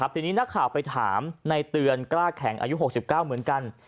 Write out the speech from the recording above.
ทีนี้นักข่าวไปถามในเตือนกล้าแข็งอายุ๖๙เหมือนกัน